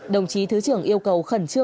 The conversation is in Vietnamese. đáng tiếc xảy ra